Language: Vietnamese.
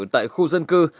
tại khu dân cư